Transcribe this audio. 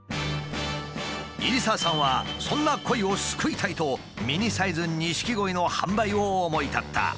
入澤さんはそんなコイを救いたいとミニサイズ錦鯉の販売を思い立った。